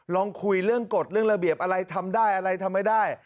ลองคุยเรื่องกฎเรื่องระเบียบอะไรทำได้อะไรทำไม่ได้